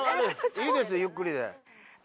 いいですゆっくりで。